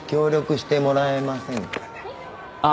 ああ。